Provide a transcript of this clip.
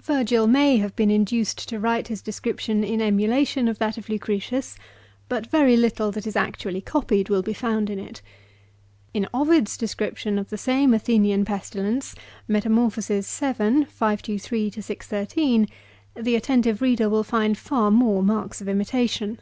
Virgil may have been in uced to write his description in emulation of that of Lucretius ; but very little that is actually copied will be found in it. In Ovid's description of the same Athenian pestilence, (Metam. vii. 523 — 613,) the attentive reader will find far more marks of imitation.